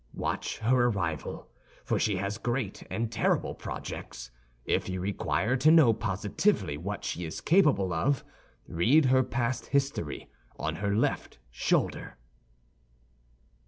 Watch her arrival, for she has great and terrible projects. If you require to know positively what she is capable of, read her past history on her left shoulder."